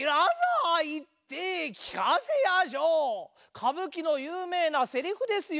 かぶきのゆうめいなせりふですよ。